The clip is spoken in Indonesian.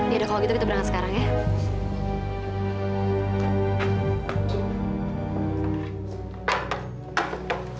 ya udah kalau gitu kita berangkat sekarang ya